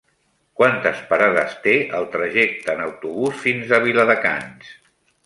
Quantes parades té el trajecte en autobús fins a Viladecans?